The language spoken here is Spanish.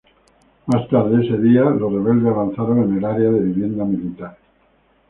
Más tarde ese día, los rebeldes avanzaron en el área de vivienda militar.